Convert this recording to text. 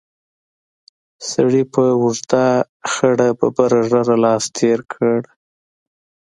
سړي په اوږده خړه ببره ږېره لاس تېر کړ.